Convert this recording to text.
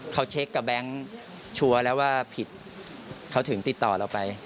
เขาเช็คกับแบงค์ชัวร์แล้วว่าผิดเขาถึงติดต่อเราไป